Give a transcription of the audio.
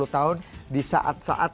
sepuluh tahun di saat saat